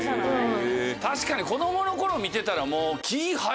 確かに子供の頃見てたらもう。